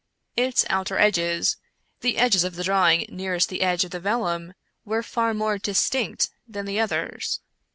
Its outer edges — the edges of the drawing nearest the edge of the vellum — were far more distinct than the others.